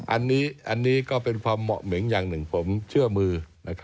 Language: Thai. อันนี้ก็เป็นความเหมาะเหม็งอย่างหนึ่งผมเชื่อมือ